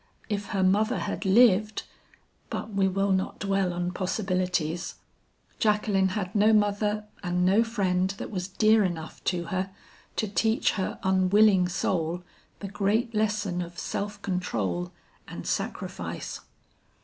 If her mother had lived But we will not dwell on possibilities. Jacqueline had no mother and no friend that was dear enough to her, to teach her unwilling soul the great lesson of self control and sacrifice.